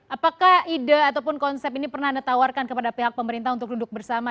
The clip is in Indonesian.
apakah ide ataupun konsep ini pernah anda tawarkan kepada pihak pemerintah untuk duduk bersama